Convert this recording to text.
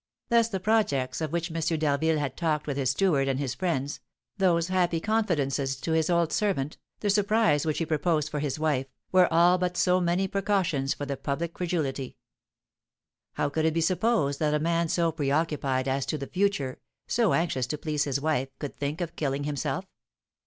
Thus the projects of which M. d'Harville had talked with his steward and his friends, those happy confidences to his old servant, the surprise which he proposed for his wife, were all but so many precautions for the public credulity. How could it be supposed that a man so preoccupied as to the future, so anxious to please his wife, could think of killing himself?